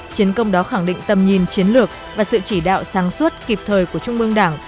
chiến công đó khẳng định tầm nhìn chiến lược và sự chỉ đạo sáng suốt kịp thời của trung mương đảng